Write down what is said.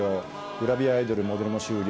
グラビアアイドルモデルも終了。